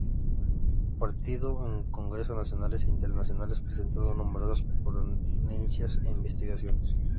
Participó en Congresos Nacionales e Internacionales presentando numerosas ponencias e investigaciones.